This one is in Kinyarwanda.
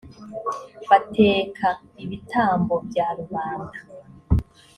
bateka ibitambo bya rubanda